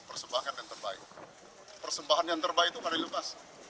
persembahan yang terbaik itu pada lepas